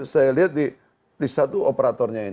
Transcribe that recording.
saya lihat di satu operatornya ini